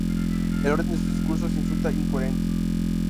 El orden de sus discursos resulta incoherente.